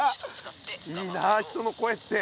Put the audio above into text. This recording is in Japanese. いいな人の声って。